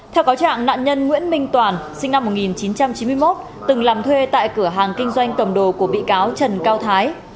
theo cáo trạng nạn nhân nguyễn minh toàn sinh năm một nghìn chín trăm chín mươi một từng làm thuê tại cửa hàng kinh doanh cầm đồ của bị cáo trần cao thái